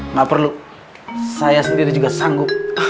nggak perlu saya sendiri juga sanggup